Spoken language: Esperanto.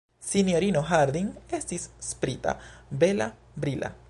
Sinjorino Harding estis sprita, bela, brila.